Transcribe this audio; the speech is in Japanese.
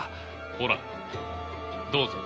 ほらどうぞ。